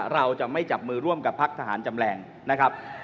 เราจะไม่จับมือร่วมกับพักทหารจำแรงนะครับ